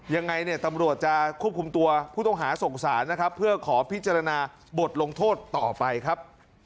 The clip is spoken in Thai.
ยังไงเนี่ยตำรวจจะควบคุมตัวผู้ต้องหาส่งสารนะครับเพื่อขอพิจารณาบทลงโทษต่อไปครับ